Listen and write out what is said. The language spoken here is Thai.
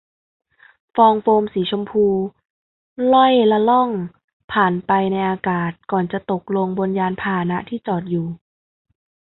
ฟองโฟมสีชมพูล่อยละล่องผ่านไปในอากาศ ก่อนจะตกลงบนยานพาหนะที่จอดอยู่